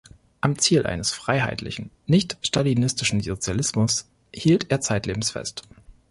Am Ziel eines freiheitlichen, nicht stalinistischen Sozialismus hielt er zeitlebens fest.